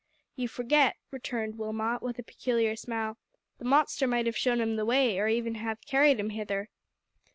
"You forget," returned Wilmot, with a peculiar smile, "the monster might have shown him the way or even have carried him hither."